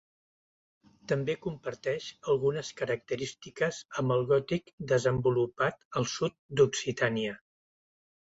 També comparteix algunes característiques amb el gòtic desenvolupat al sud d'Occitània.